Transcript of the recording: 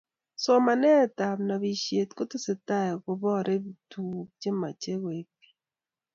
somanetab nobishet kotesetai kobore tuguk chemache koeek biik